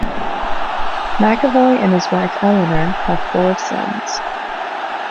McAvoy and his wife Eleanor have four sons.